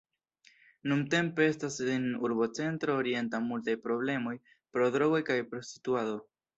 Nuntempe estas en Urbocentro Orienta multaj problemoj pro drogoj kaj prostituado.